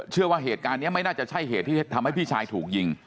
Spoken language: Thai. เชื่อว่าเหตุการณ์นี้ไม่น่าจะใช่เหตุที่ทำให้พี่ชายถูกยิง